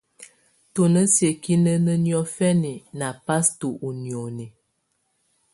Tù nà siǝ́kinǝnǝ́ niɔ̀fɛna nà pasto ù nioni.